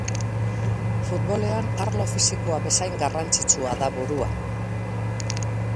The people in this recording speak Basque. Futbolean arlo fisikoa bezain garrantzitsua da burua.